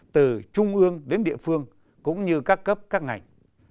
từ trung ương đến địa phương cũng như các cấp các ngành